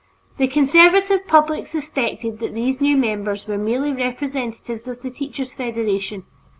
The conservative public suspected that these new members were merely representatives of the Teachers' Federation.